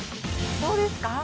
どうですか？